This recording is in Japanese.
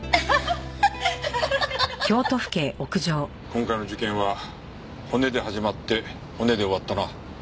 今回の事件は骨で始まって骨で終わったな。